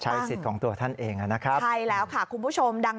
สิทธิ์ของตัวท่านเองนะครับใช่แล้วค่ะคุณผู้ชมดัง